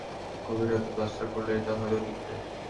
গভীর করে প্লাস্টার করলে এটা হয়তো টিকবে।